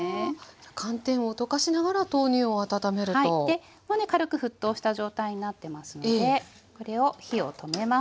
でもうね軽く沸騰した状態になってますのでこれを火を止めます。